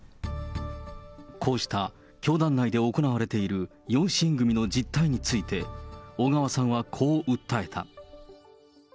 こうした教団内で行われている養子縁組の実態について、小川さんはこう訴えた。